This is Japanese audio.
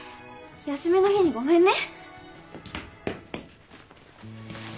休みの日にごめんね。